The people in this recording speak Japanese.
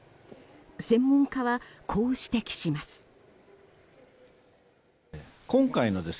専門家はこう指摘します。